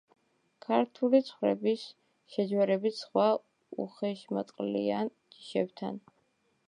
ქართული ცხვრების შეჯვარებით სხვა უხეშმატყლიან ჯიშებთან.